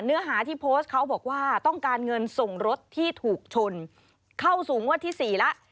เนื้อหาที่โพสต์เขาบอกว่าต้องการเงินส่งรถที่ถูกชนเข้าสู่งวดที่๔แล้ว